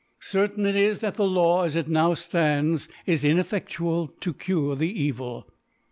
Certain it is, that the Law as it now (lands is inefFeftual to cure the Evil.